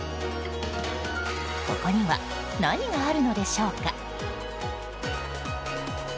ここには何があるのでしょうか？